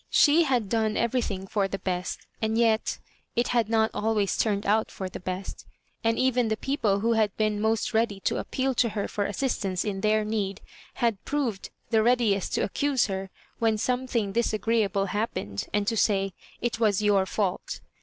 She had done everything for the best, and yet it had not always turned out for the best ; and even the people who had been most ready to appeal to her for assist ance in their need, had proved the readiest to accuse her when something disagreeable happen ed, and to say, "It was your fault."